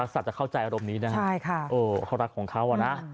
รักษัตริย์จะเข้าใจอารมณ์นี้นะใช่ค่ะโอ้เขารักของเขาอ่ะนะ